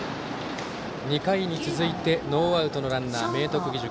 ２回に続いてノーアウトのランナー、明徳義塾。